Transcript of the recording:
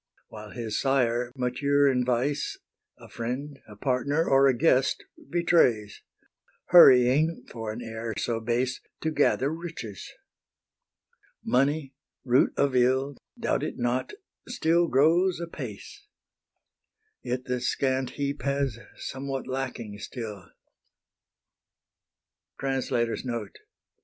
While his sire, mature in vice, A friend, a partner, or a guest betrays, Hurrying, for an heir so base, To gather riches. Money, root of ill, Doubt it not, still grows apace: Yet the scant heap has somewhat lacking still. XXV. QUO ME, BACCHE.